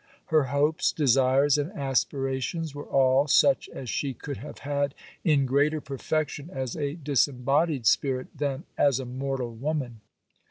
Her hopes, desires, and aspirations were all such as she could have had in greater perfection, as a disembodied spirit than as a mortal woman.